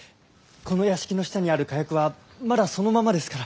この屋敷の下にある火薬はまだそのままですから。